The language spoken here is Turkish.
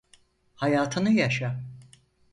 Hayatını yaşa.